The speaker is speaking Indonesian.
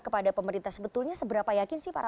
kepada pemerintah sebetulnya seberapa yakin sih para